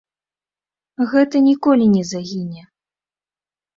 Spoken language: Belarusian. Гэта ніколі не загіне.